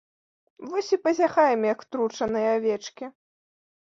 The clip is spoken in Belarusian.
Вось і пазяхаем, як тручаныя авечкі.